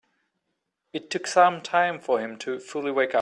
It took some time for him to fully wake up.